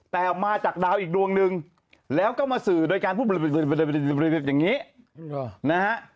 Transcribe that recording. แต่มาจากดาวอีกดวงหนึ่งแล้วก็มาสื่อโดยการพูดอย่างนี้นะฮะ